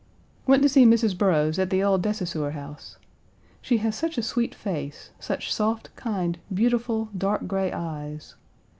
Went to see Mrs. Burroughs at the old de Saussure house. She has such a sweet face, such soft, kind, beautiful, dark gray eyes.